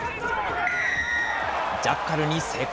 ジャッカルに成功。